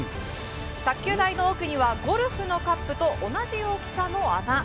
卓球台の奥にはゴルフのカップと同じ大きさの穴。